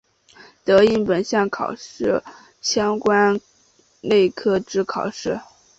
得应本项考试相关类科之考试。